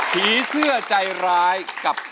ผีเสื้อใจร้ายกับ